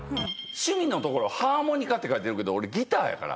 趣味のところ「ハーモニカ」って書いてるけど俺ギターやから！